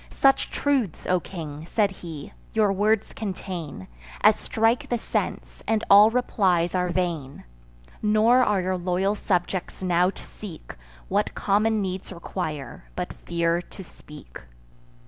"Such truths, O king," said he, "your words contain, As strike the sense, and all replies are vain; Nor are your loyal subjects now to seek What common needs require, but fear to speak.